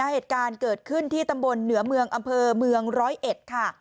เหตุการณ์เกิดขึ้นที่ตำบลเหนือเมืองอำเภอเมืองร้อยเอ็ดค่ะ